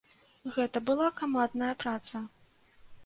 Гэта была камандная праца.